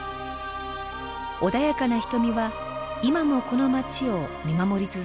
穏やかな瞳は今もこの街を見守り続けています。